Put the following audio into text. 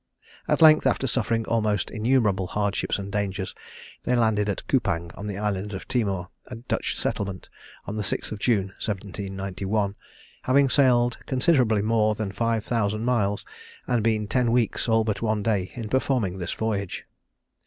At length, after suffering almost innumerable hardships and dangers, they landed at Cupang, on the island of Timor, a Dutch settlement, on 6th June 1791, having sailed considerably more than five thousand miles, and been ten weeks all but one day in performing this voyage.